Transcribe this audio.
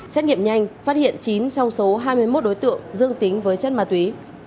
xét nghiệm nhanh phát hiện chín trong số hai mươi một đối tượng dương tính với chất ma túy